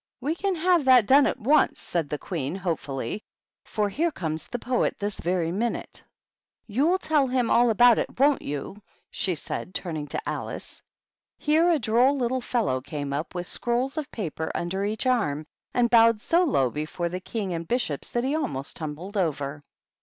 " We can have that done at once, then," said the Queen, hopefully, "for here comes the poet THE BISHOPS. 177 this very minute. You^ll tell him all about it, won't you?" she said, turning to Alice. Here a droll little fellow came up, with scrolls of paper under each arm, and bowed so low before the King and Bishops that he almost tumbled over.